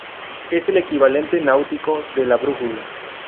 Es el equivalente náutico de la brújula.